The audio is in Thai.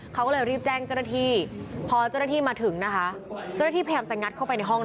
เขาก็เลยรีบแจ้งเจ้าหน้าที่พอเจ้าหน้าที่มาถึงนะคะเจ้าหน้าที่พยายามจะงัดเข้าไปในห้อง